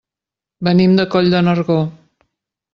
Venim de Coll de Nargó.